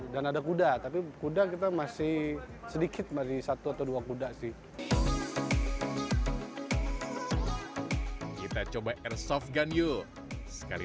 dan ada kuda tapi kuda kita masih sedikit masih satu atau dua kuda sih kita coba esofgan yuk sekali